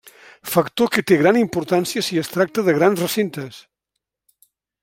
Factor que té gran importància si es tracta de grans recintes.